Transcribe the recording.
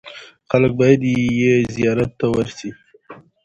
خلک باید یې زیارت ته ورسي.